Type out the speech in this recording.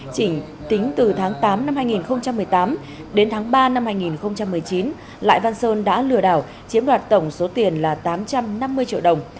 chỉ tính từ tháng tám năm hai nghìn một mươi tám đến tháng ba năm hai nghìn một mươi chín lại văn sơn đã lừa đảo chiếm đoạt tổng số tiền là tám trăm năm mươi triệu đồng